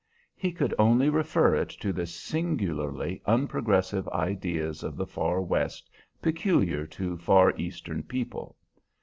He could only refer it to the singularly unprogressive ideas of the Far West peculiar to Far Eastern people.